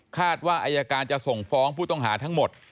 ว่าอายการจะส่งฟ้องผู้ต้องหาทั้งหมด